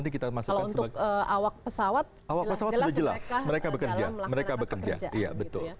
kalau untuk awak pesawat jelas jelas mereka dalam melaksanakan pekerjaan